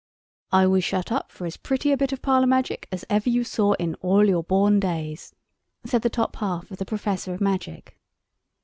"I was shut up for as pretty a bit of parlour magic as ever you saw in all your born days," said the top half of the Professor of Magic.